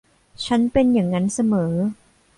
ฉันเป็นยังงั้นเสมอ